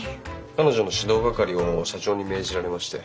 彼女の指導係を社長に命じられまして。